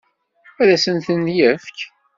Ad asen-ten-yefk?